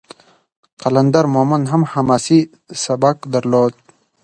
قلندر مومند هم حماسي سبک درلود.